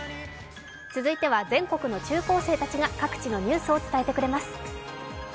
続いては全国の中高生たちが各地のニュースを伝えてくれます。